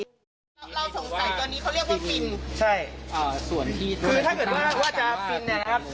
เราสงสัยตอนนี้เขาเรียกว่าฟินใช่คือถ้าเกิดว่าจะฟินนะครับ